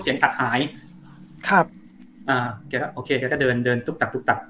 สักหายครับอ่าแกก็โอเคแกก็เดินเดินตุ๊บตับตุ๊บตับ